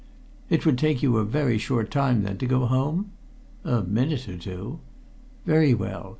"It would take you a very short time, then, to go home?" "A minute or two." "Very well.